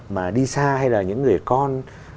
mà đi xa hay là những người con